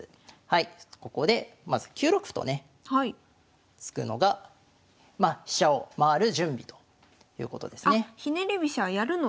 はいここでまず９六歩とね突くのが飛車を回る準備ということですね。